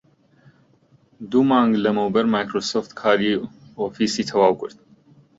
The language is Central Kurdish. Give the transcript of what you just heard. دوو مانگ لەمەوبەر مایکرۆسۆفت کاری ئۆفیسی تەواو کرد